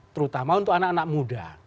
terutama untuk anak anak muda